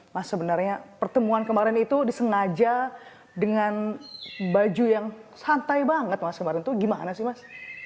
mas sebenarnya pertemuan kemarin itu disengaja dengan baju yang santai banget mas kemarin itu gimana sih mas